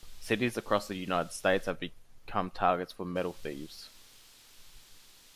Cities across the United States have become targets for metal thieves.